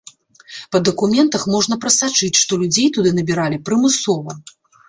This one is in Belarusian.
Па дакументах можна прасачыць, што людзей туды набіралі прымусова.